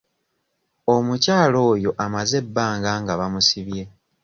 Omukyala oyo amaze ebbanga nga bamusibye.